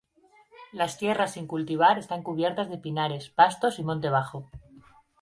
Las tierras sin cultivar están cubiertas de pinares, pastos y monte bajo.